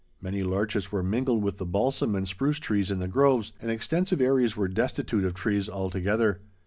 Many larches were mingled with the balsam and spruce trees in the groves, and extensive areas were destitute of trees altogether.